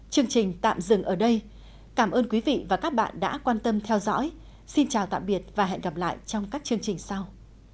chương trình tạm dừng ở đây cảm ơn quý vị và các bạn đã quan tâm theo dõi xin chào tạm biệt và hẹn gặp lại trong các chương trình sau